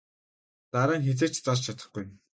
Дараа нь хэзээ ч зарж чадахгүй.